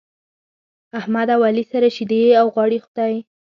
احمد او علي سره شيدې او غوړي دی.